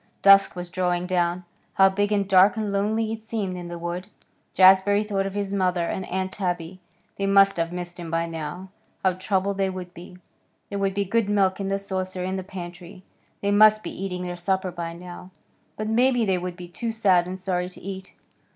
Dusk was drawing down. How big and dark and lonely it seemed in the wood. Jazbury thought of his mother and Aunt Tabby. They must have missed him by now. How troubled they would be. There would be good milk in the saucer in the pantry. They must be eating their supper by now. But maybe they would be too sad and sorry to eat.